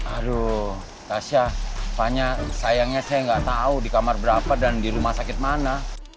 aduh tasha dipanya sayangnya saya gak tau di kamar berapa dan di rumah sakit mana